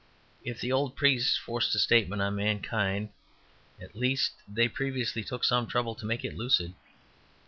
If the old priests forced a statement on mankind, at least they previously took some trouble to make it lucid.